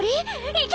行け！